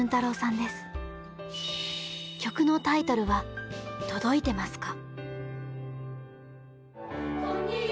曲のタイトルは「とどいてますか」。